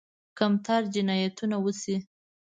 کمتر جنایتونه وشي.